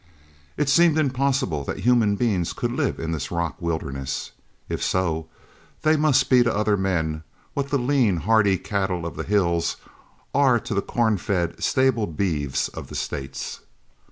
It seemed impossible that human beings could live in this rock wilderness. If so, they must be to other men what the lean, hardy cattle of the hills are to the corn fed stabled beeves of the States.